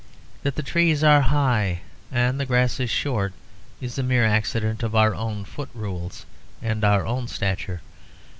That the trees are high and the grasses short is a mere accident of our own foot rules and our own stature.